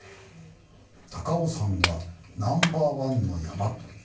「高尾山はナンバーワンの山⁉」という事でした。